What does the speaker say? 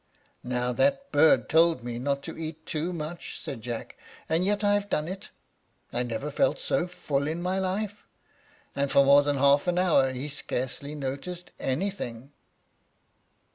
"Now that bird told me not to eat too much," said Jack, "and yet I have done it. I never felt so full in my life;" and for more than half an hour he scarcely noticed anything.